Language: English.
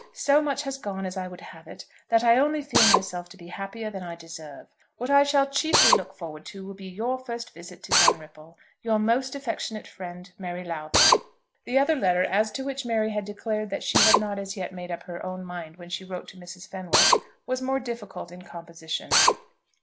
So much has gone as I would have it that I only feel myself to be happier than I deserve. What I shall chiefly look forward to will be your first visit to Dunripple. Your most affectionate friend, MARY LOWTHER. The other letter, as to which Mary had declared that she had not as yet made up her own mind when she wrote to Mrs. Fenwick, was more difficult in composition.